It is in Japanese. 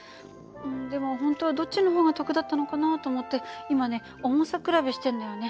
でも本当はどっちの方が得だったのかなと思って今ね重さ比べしてんのよね。